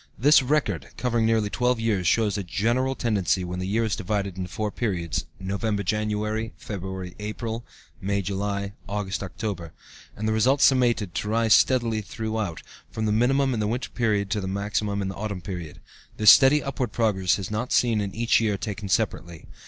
This record, covering nearly twelve years, shows a general tendency, when the year is divided into four periods (November January, February April, May July, August October) and the results summated, to rise steadily throughout, from the minimum in the winter period to the maximum in the autumn period. This steady upward progress is not seen in each year taken separately.